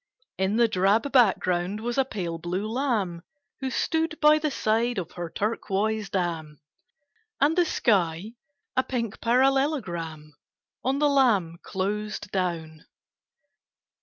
In the drab background was a pale blue lamb Who stood by the side of her turquoise dam, And the sky a pink parallelogram On the lamb closed down.